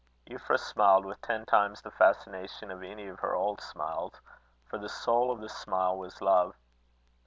Euphra smiled with ten times the fascination of any of her old smiles; for the soul of the smile was love.